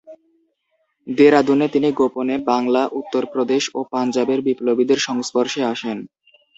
দেরাদুনে তিনি গোপনে বাংলা, উত্তর প্রদেশ ও পাঞ্জাবের বিপ্লবীদের সংস্পর্শে আসেন।